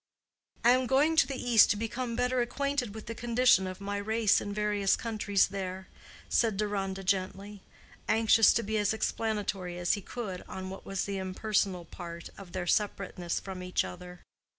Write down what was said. "I am going to the East to become better acquainted with the condition of my race in various countries there," said Deronda, gently—anxious to be as explanatory as he could on what was the impersonal part of their separateness from each other.